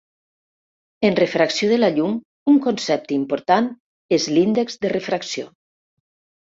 En refracció de la llum, un concepte important és l'índex de refracció.